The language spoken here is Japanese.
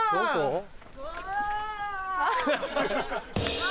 ・うわ！